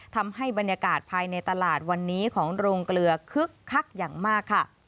ทำให้บรรยากาศภายในตลาดวันนี้ของโรงเกลือคึกคักอย่างมากค่ะ